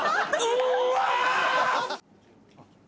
うわ！